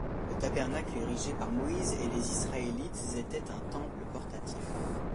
Le tabernacle érigé par Moïse et les Israélites était un temple portatif.